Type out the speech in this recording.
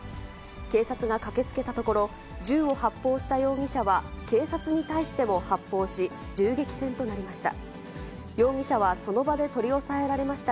警察が駆けつけたところ、銃を発砲した容疑者は警察に対しても発砲し、銃撃戦となりました。